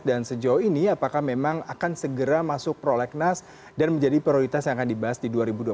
dan sejauh ini apakah memang akan segera masuk prolegnas dan menjadi prioritas yang akan dibahas di dua ribu dua puluh satu